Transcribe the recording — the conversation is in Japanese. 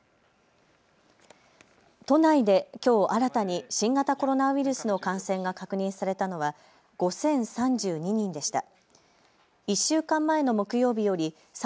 都内できょう新たに新型コロナウイルスの感染が確認されたのは５０３２人でした。